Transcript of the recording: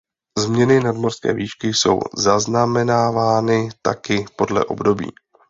Změny nadmořské výšky jsou zaznamenávány taky podle období.